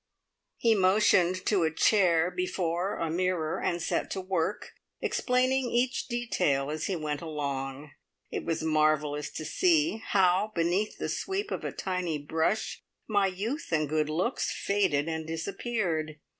He motioned to a chair before a mirror, and set to work, explaining each detail as he went along. It was marvellous to see how beneath the sweep of a tiny brush my youth and good looks faded and disappeared!